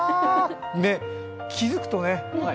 気付くとね。